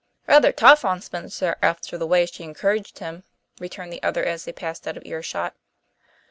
"Rather rough on Spencer after the way she encouraged him," returned the other as they passed out of earshot.